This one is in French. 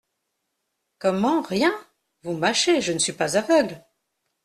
Comment ! rien !… Vous mâchez, je ne suis pas aveugle.